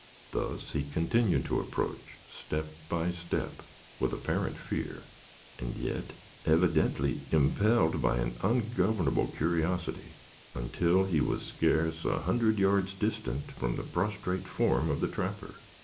Thus he continued to approach, step by step, with apparent fear, and yet evidently impelled by an ungovernable curiosity, until he was scarce a hundred yards distant from the prostrate form of the trapper.